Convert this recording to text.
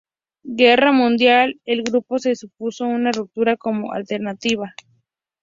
Guerra Mundial el grupo se propuso una ruptura como alternativa.